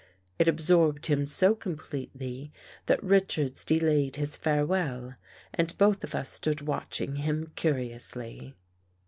It absorbed him so completely that Richards delayed his farewell and both of us stood watching him curiously.